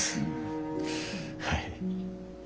はい。